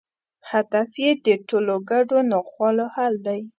هدف یې د ټولنو ګډو ناخوالو حل دی.